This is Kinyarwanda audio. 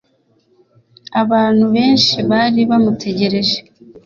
abantu benshi bari bamutegereje